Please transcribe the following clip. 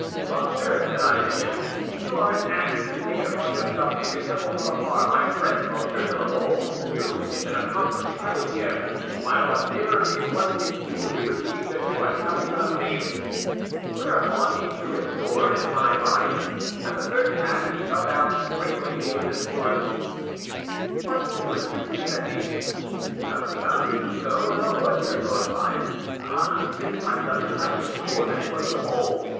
'Monsieur,' said I to him, 'you are an ass to take it upon yourself to resemble from afar my friend Monsieur de la Mole, who is an accomplished cavalier; while on nearer view one can easily perceive that you are nothing but a vagrant.' Whereupon he drew his sword, and I mine. At the third pass he fell down, sprinkling me with his blood." "But you assisted him at least?" "I was about to do so when a horseman rode by. Ah! this time, duchess, I was sure that it was La Mole.